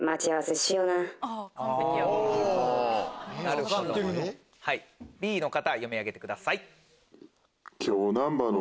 知っＢの方読み上げてください。